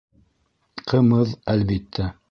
—Ҡымыҙ, әлбиттә.